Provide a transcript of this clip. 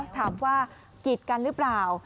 ถามว่ากีดกันหรือเปล่า